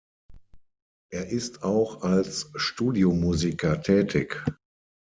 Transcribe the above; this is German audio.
Er ist auch als Studiomusiker tätig.